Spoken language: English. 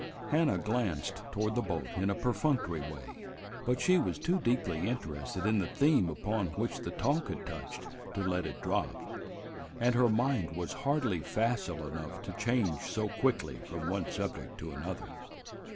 Hannah glanced toward the boat in a perfunctory way, but she was too deeply interested in the theme upon which the talk had touched to let it drop, and her mind was hardly facile enough to change so quickly from one subject to another.